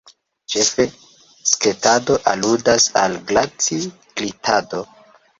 Ĉefe, sketado aludas al glaci-glitado.